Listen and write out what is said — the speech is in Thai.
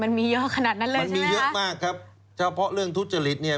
มันมีเยอะขนาดนั้นเลยมันมีเยอะมากครับเฉพาะเรื่องทุจริตเนี่ย